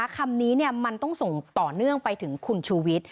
คำนี้มันต้องส่งต่อเนื่องไปถึงคุณชูวิทย์